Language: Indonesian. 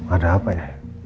ada apa ya